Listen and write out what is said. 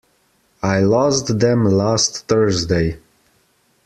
I lost them last Thursday.